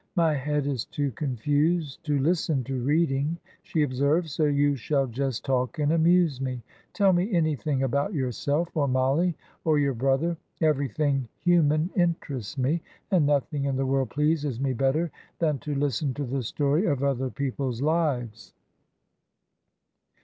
"My head is too confused to listen to reading," she observed; "so you shall just talk and amuse me. Tell me anything about yourself, or Mollie, or your brother; everything human interests me, and nothing in the world pleases me better than to listen to the story of other people's lives."